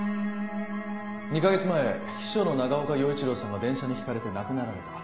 ２カ月前秘書の長岡洋一郎さんが電車にひかれて亡くなられた。